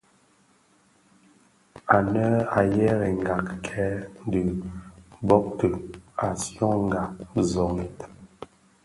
Ànë à yerênga rikêê di bôbti, à syongà zɔng itan.